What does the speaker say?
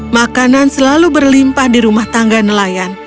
makanan selalu berlimpah di rumah tangga nelayan